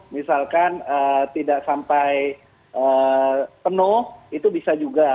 misalkan tidak sampai penuh itu bisa juga